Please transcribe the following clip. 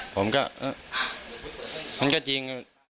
ผมก็มันก็จริง